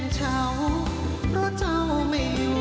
เช้าเพราะเจ้าไม่อยู่